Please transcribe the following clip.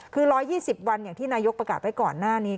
คือ๑๒๐วันอย่างที่นายกประกาศไว้ก่อนหน้านี้